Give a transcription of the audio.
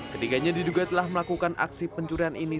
ketiganya diduga telah melakukan aksi pencurian ini